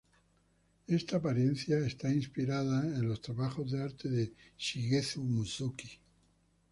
Esta apariencia es inspirada en los trabajos de arte de Shigeru Mizuki.